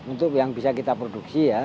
untuk yang bisa kita produksi ya